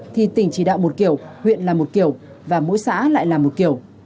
thì tỉnh chỉ đạo một kiểu huyện là một kiểu và mỗi xã lại là một kiểu